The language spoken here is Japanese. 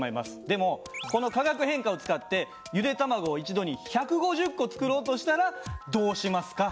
でもこの化学変化を使ってゆで卵を一度に１５０個作ろうとしたらどうしますか？